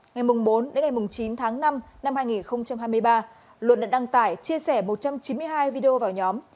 ngày bốn đến ngày chín tháng năm năm hai nghìn hai mươi ba luận đã đăng tải chia sẻ một trăm chín mươi hai video vào nhóm